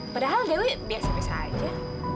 padahal dewi biasa biasa aja